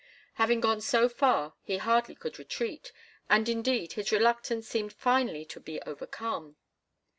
Having gone so far he hardly could retreat, and indeed his reluctance seemed finally to be overcome.